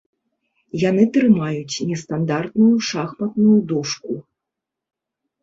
Яны трымаюць нестандартную шахматную дошку.